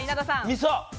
みそ。